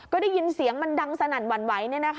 ก็ได้ยินเสียงมันดังสนั่นหวั่นไหว